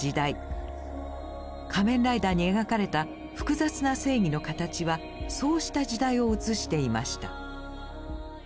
「仮面ライダー」に描かれた複雑な正義の形はそうした時代を映していました。